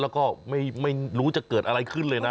แล้วก็ไม่รู้จะเกิดอะไรขึ้นเลยนะ